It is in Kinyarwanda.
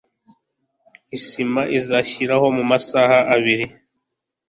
Isima izashyiraho mumasaha abiri.